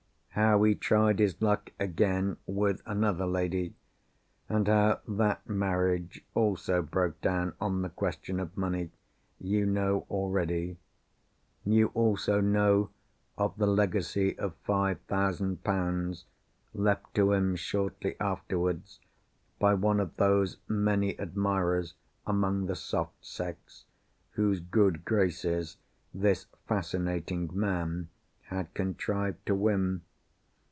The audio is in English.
How he tried his luck again with another lady, and how that marriage also broke down on the question of money, you know already. You also know of the legacy of five thousand pounds, left to him shortly afterwards, by one of those many admirers among the soft sex whose good graces this fascinating man had contrived to win.